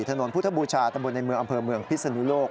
ถนนพุทธบูชาตำบลในเมืองอำเภอเมืองพิศนุโลก